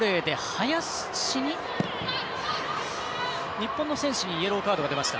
日本の選手にイエローカードが出ました。